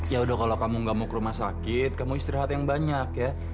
yaudah kalau kamu enggak mau ke rumah sakit kamu istirahat yang banyak ya